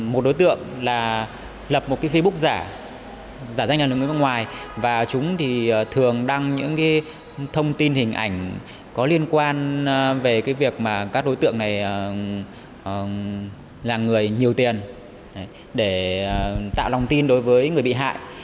một đối tượng là lập một cái facebook giả giả danh là người nước ngoài và chúng thì thường đăng những thông tin hình ảnh có liên quan về cái việc mà các đối tượng này là người nhiều tiền để tạo lòng tin đối với người bị hại